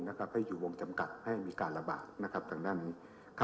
ให้อยู่วงจำกัดให้มีการระบาดทางด้านนี้